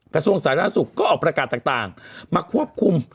กระทรวงสาธารณสุขก็ออกประกาศต่างมาควบคุม